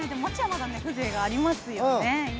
風情がありますよね。